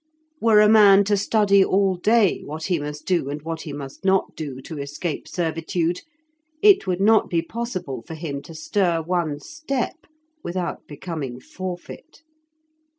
Were a man to study all day what he must do, and what he must not do, to escape servitude, it would not be possible for him to stir one step without becoming forfeit!